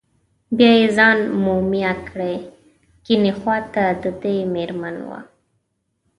بیا یې ځان مومیا کړی، کیڼې خواته دده مېرمن وه.